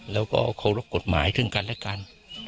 แล้วก็เคารพกฎหมายซึ่งกันและกัน